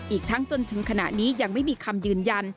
อีกทั้งจนถึงขณะนี้ยังไม่มีคำยืนยัน